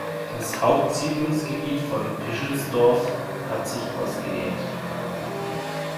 Das Hauptsiedlungsgebiet von Pischelsdorf hat sich ausgedehnt.